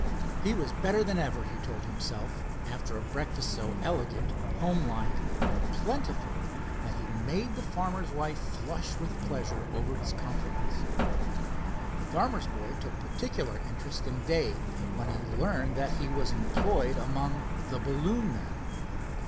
He was better than ever, he told himself, after a breakfast so elegant, home like, and plentiful, that he made the farmer's wife flush with pleasure over his compliments. The farmer's boy took particular interest in Dave, when he learned that he was employed among "the balloon men."